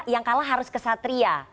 yang kalah harus kesatria